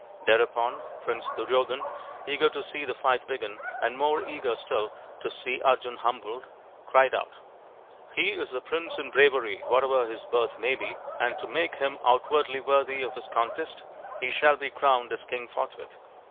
Thereupon Prince Duryodhan, eager to see the fight begin, and more eager still to see Arjun humbled, cried out, " He is a prince in bravery whatever his birth may be, and to make him outwardly worthy of this con test he shall be crowned as king forthwith."